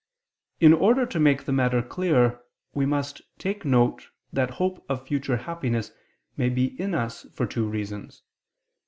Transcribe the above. In order to make the matter clear we must take note that hope of future happiness may be in us for two reasons.